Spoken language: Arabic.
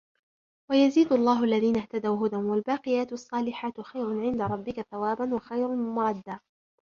ويزيد الله الذين اهتدوا هدى والباقيات الصالحات خير عند ربك ثوابا وخير مردا